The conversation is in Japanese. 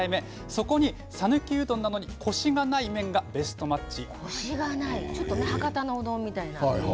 そこにさぬきうどんなのにコシがない麺がベストマッチ。